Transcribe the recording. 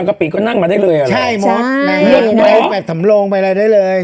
บังกะปิดก็นั่งมาได้เลยใช่ใช่แบบถำลงไปอะไรได้เลย